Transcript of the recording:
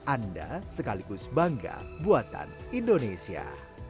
anda sekaligus bangga buatan indonesia